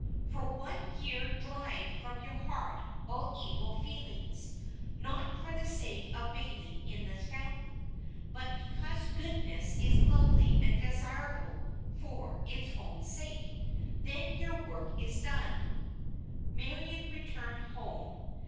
For one year drive from your heart all evil feelings, not for the sake of bathing in this Fountain, but because goodness is lovely and desirable for its own sake. Then your work is done." Marion returned home.